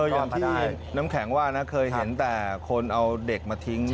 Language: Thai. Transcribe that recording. อย่างที่น้ำแข็งว่านะเคยเห็นแต่คนเอาเด็กมาทิ้ง